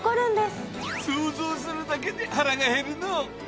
想像するだけで腹が減るのう！